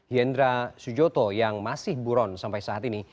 hendra sujoto yang masih buron sampai saat ini